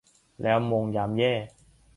แล้วโมงยามแย่